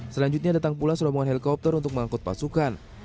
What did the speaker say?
selanjutnya datang pula serombongan helikopter untuk mengangkut pasukan